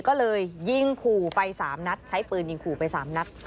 ก็เลยยิงขู่ไป๓นัดใช้ปืนยิงขู่ไป๓นัด